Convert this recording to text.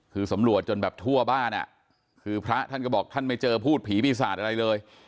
คือสำรวจจนแบบทั่วบ้านอ่ะคือพระท่านก็บอกท่านไม่เจอพูดผีปีศาจอะไรเลย